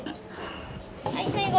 はい最後。